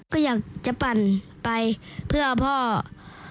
ก็อยากจะปั่นไปเพื่อพ่อ